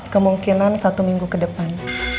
kemungkinan satu minggu ke depan